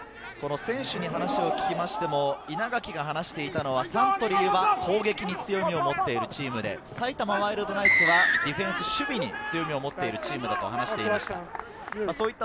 選手に話を聞きましても、稲垣が話していたのはサントリーは攻撃力に強みをもっているチームで埼玉ワイルドナイツはディフェンス、守備に強みを持ってるチームだと話していました。